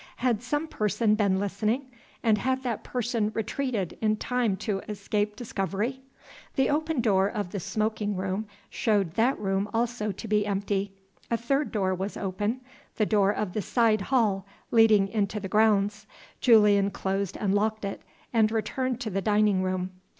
Had some person been listening, and had that person retreated in time to escape discovery? The open door of the smoking room showed that room also to be empty. A third door was open the door of the side hall, leading into the grounds. Julian closed and locked it, and returned to the dining room.